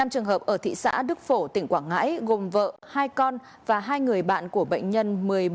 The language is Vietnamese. năm trường hợp ở thị xã đức phổ tỉnh quảng ngãi gồm vợ hai con và hai người bạn của bệnh nhân một mươi bốn bốn trăm bốn mươi hai